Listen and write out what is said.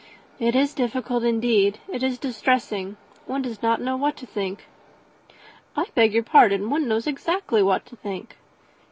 "It is difficult, indeed it is distressing. One does not know what to think." "I beg your pardon; one knows exactly what to think."